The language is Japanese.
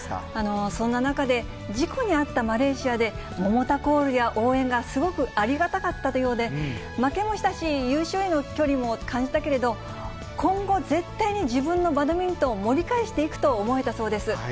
そんな中で事故に遭ったマレーシアで、桃田コールや応援がすごくありがたかったようで、負けもしたし、優勝への距離も感じたけれど、今後、絶対に自分のバドミントンを盛り返していくと思えたそうです。